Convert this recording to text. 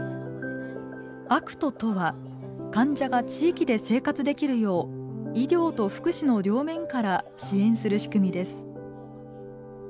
ＡＣＴとは患者が地域で生活できるよう医療と福祉の両面から支援する仕組みです。